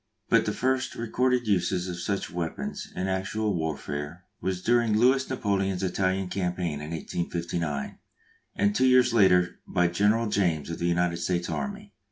But the first recorded uses of such weapons in actual warfare was during Louis Napoleon's Italian campaign in 1859, and two years later by General James of the United States Army.